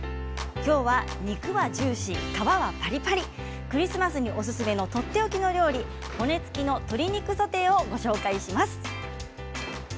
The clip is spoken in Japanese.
きょうは肉はジューシー皮はパリパリ、クリスマスにおすすめのとっておきの料理骨付きの鶏肉ソテーを紹介します。